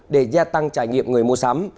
để gia tăng trải nghiệm người mua sắm